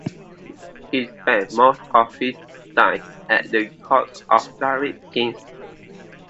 He spent most of his time at the courts of Ghaurid kings.